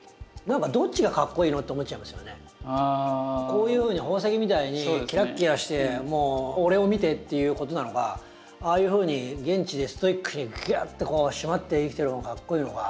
こういうふうに宝石みたいにキラッキラしてもう「俺を見て」っていうことなのかああいうふうに現地でストイックにグワッとこうしまって生きてる方がかっこイイのか。